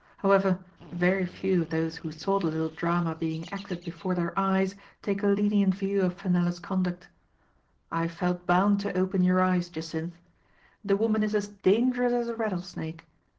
However, very few of those who saw the little drama being acted before their eyes take a lenient view of Fenella's conduct. I felt bound to open your eyes, Jacynth. The woman is as dangerous as a rattlesnake.